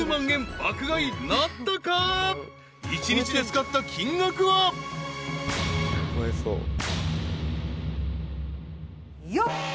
［１日で使った金額は］よっ！